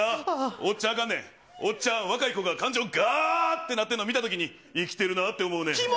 おっちゃんがね、おっちゃん、若い子が感情、がーってなってるの見たときに、生きてるなぁって思うねん。